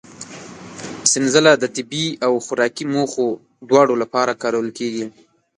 سنځله د طبي او خوراکي موخو دواړو لپاره کارول کېږي.